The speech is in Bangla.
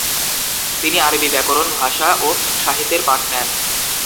তিনি আরবি ব্যকরণ, ভাষা ও সাহিত্যের পাঠ নেন।